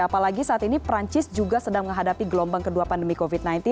apalagi saat ini perancis juga sedang menghadapi gelombang kedua pandemi covid sembilan belas